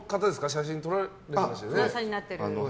写真に撮られてましたよね。